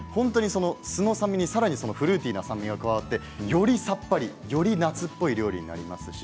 酢の酸味にフルーティーな酸味が加わって、よりさっぱり夏っぽい料理になります。